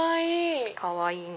かわいい！